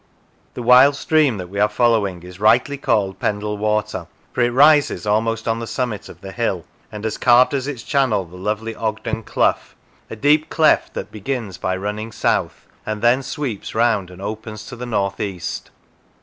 The wild stream that we are following is rightly called Pendle Water, for it rises almost on the summit of the hill, and has carved as its channel the lovely Ogden Clough, a deep cleft that begins by running south, and then sweeps round and opens to the north east.